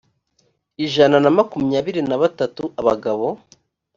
ijana na makumyabiri na batatu abagabo